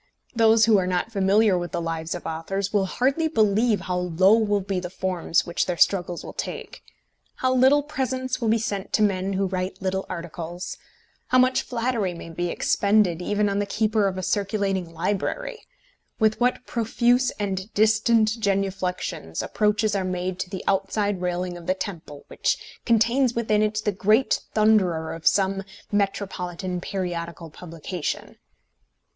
Those who are not familiar with the lives of authors will hardly believe how low will be the forms which their struggles will take: how little presents will be sent to men who write little articles; how much flattery may be expended even on the keeper of a circulating library; with what profuse and distant genuflexions approaches are made to the outside railing of the temple which contains within it the great thunderer of some metropolitan periodical publication!